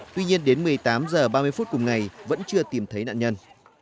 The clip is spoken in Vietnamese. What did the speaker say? tuy nhiên đến một mươi tám h ba mươi phút cùng ngày vẫn chưa tìm thấy nạn nhân